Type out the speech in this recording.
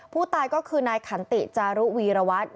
ผู้ตายก็คือนายขันติจารุวีรวัตร